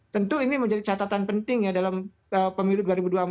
tentu ini menjadi catatan penting ya dalam pemilu dua ribu dua puluh empat